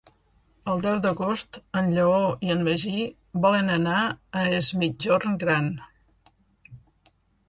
El deu d'agost en Lleó i en Magí volen anar a Es Migjorn Gran.